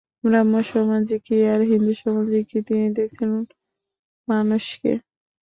ব্রাহ্মসমাজই কি আর হিন্দুসমাজই কি, তিনি দেখছেন মানুষকে।